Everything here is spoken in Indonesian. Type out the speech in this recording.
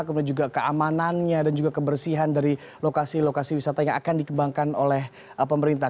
kemudian juga keamanannya dan juga kebersihan dari lokasi lokasi wisata yang akan dikembangkan oleh pemerintah